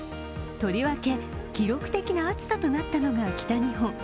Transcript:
とりわけ、記録的な暑さとなったのが北日本。